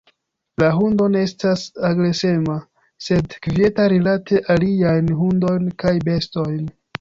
La hundo ne estas agresema, sed kvieta rilate aliajn hundojn kaj bestojn.